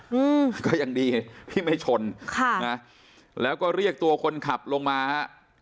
อืมก็ยังดีที่ไม่ชนค่ะนะแล้วก็เรียกตัวคนขับลงมาฮะ